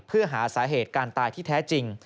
เพื่อหาสาเหตุการตายที่แท้จริง